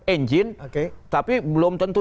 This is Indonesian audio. engine tapi belum tentu